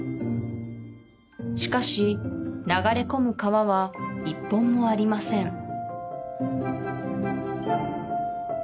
しかし流れ込む川は一本もありません